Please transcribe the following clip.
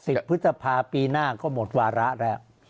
พฤษภาปีหน้าก็หมดวาระแล้ว